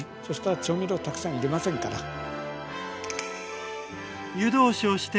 そしたら調味料たくさん要りませんから。